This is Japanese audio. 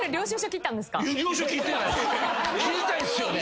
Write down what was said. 切りたいっすよね。